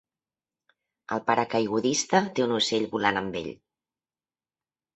El paracaigudista té un ocell volant amb ell.